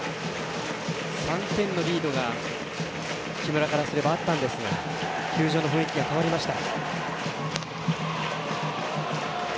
３点のリードが木村からすればあったんですが球場の雰囲気が変わりました。